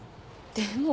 でも。